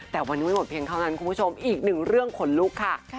แต่วันนี้มาเป็นแค่เหมือนกันคุณผู้ชมอีก๑ด้วยเรื่องขนลุกค่ะ